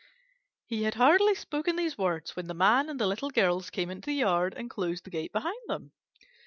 He had hardly spoken these words when the Man and the Little Girls came into the yard and closed the gate behind them.